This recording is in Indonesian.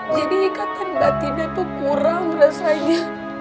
jadi ikatan batinnya tuh kurang rasanya